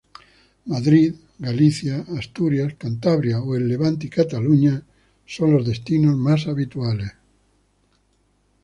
Madrid, Galicia, Asturias, Cantabria, o el Levante y Cataluña son los destinos más habituales.